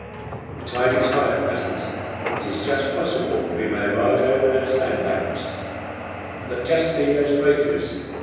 "The tide is high at present, it is just possible we may ride over those sand banks." "But just see those breakers.